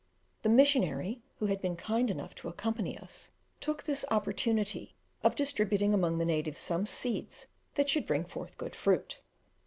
The missionary who had been kind enough to accompany us, took this opportunity of distributing among the natives some seeds that should bring forth good fruit.